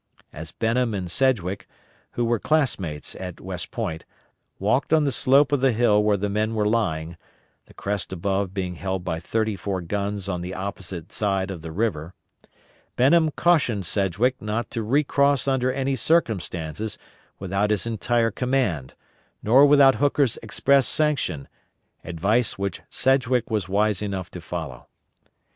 As Benham and Sedgwick, who were classmates at West Point, walked on the slope of the hill where the men were lying the crest above being held by thirty four guns on the opposite side of the river Benham cautioned Sedgwick not to recross under any circumstances without his entire command, nor without Hooker's express sanction, advice which Sedgwick was wise enough to follow.